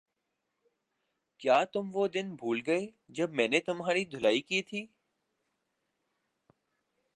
کیا تم وہ دن بھول گئے جب میں نے تمہاری دھلائی کی تھی